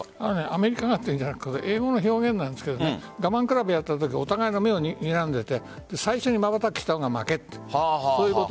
アメリカがというんじゃなく英語の表現なんですけど我慢比べやったときお互いの目をにらんで最初にまばたきをした方が負け。